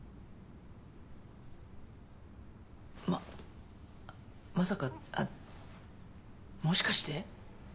ままさかあっもしかして？